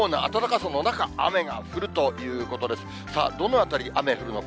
さあ、どの辺りに雨降るのか。